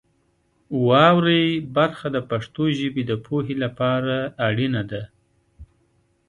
واورئ برخه د پښتو ژبې د پوهې لپاره اړینه ده.